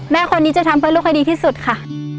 แม่คนนี้จะทำเพื่อลูกให้ดีที่สุดค่ะ